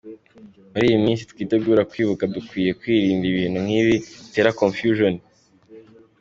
Muri iyi minsi twitegura kwibuka dukwiye kwirinda ibintu nk’ibi bitera confusion.